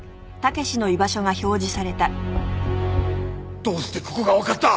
どうしてここがわかった！？